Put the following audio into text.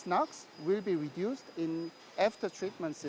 dan nuklir ini akan dikurangkan kemudian